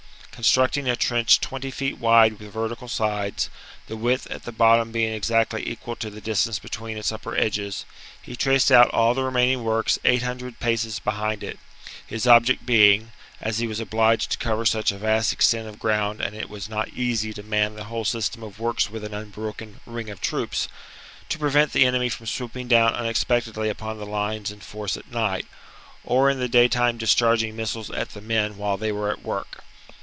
Constructing a trench twenty feet wide with vertical sides, the width at the bottom being exactly equal to the distance between its upper edges, he traced out all the remaining works eight hundred paces behind it, his object being, as he was obliged to cover such a vast extent of ground and it was not easy to man the whole system of works with an unbroken ring of troops, to prevent the enemy from swooping down unexpectedly upon the lines in force at night, or in the day time discharging missiles at the men while they were at work.